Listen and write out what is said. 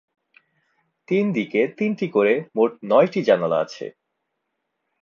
তিন দিকে তিনটি করে মোট নয়টি জানালা আছে।